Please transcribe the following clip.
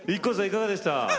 いかがでした？